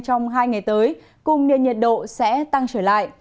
trong hai ngày tới cùng nền nhiệt độ sẽ tăng trở lại